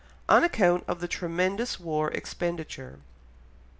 on account of the tremendous war expenditure.